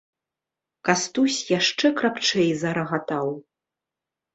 Кастусь яшчэ крапчэй зарагатаў.